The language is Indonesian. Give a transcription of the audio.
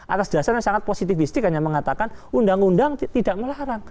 atas dasar yang sangat positifistik hanya mengatakan undang undang tidak melarang